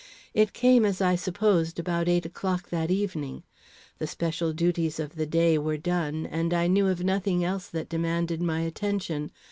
It came, as I supposed, about eight o'clock that evening. The special duties of the day were done, and I knew of nothing else that demanded my attention.